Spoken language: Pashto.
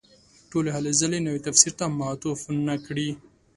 ټولې هلې ځلې نوي تفسیر ته معطوف نه کړي.